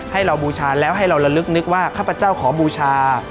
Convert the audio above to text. ให้เราบูชาแล้วให้เราระลึกนึกว่าข้าพเจ้าขอบูชา